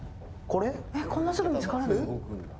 こんなすぐ見つかるの？